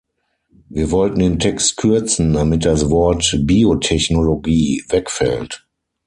Wir wollten den Text kürzen, damit das Wort "Biotechnologie" wegfällt.